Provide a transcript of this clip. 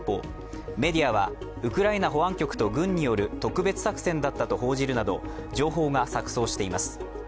メディアは、ウクライナ保安局と軍による特別作戦だったと報じるなど情報が錯そうしています。